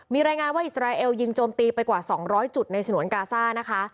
มีรายงานว่าอิสราเอลยิงโจมตีไปกว่า๒๐๐จุดในฉนวนกาซ่านะคะ